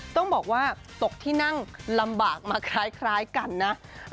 ต้องบอกว่าตกที่นั่งลำบากมาคล้ายกันนะ